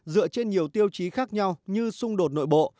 dựa trên nhiều tiêu chí khác nhau như xung đột nội bộ